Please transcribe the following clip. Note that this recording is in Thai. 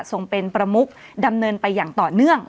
ส่งเป็นประมุกดำเนินไปอย่างต่อเนื่อง